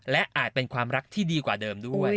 และอาจเป็นความรักที่ดีกว่าเดิมด้วย